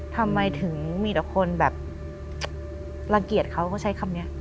ทำไมถึงมีแต่คนแบบรังเกียจเขาก็ใช้คำนี้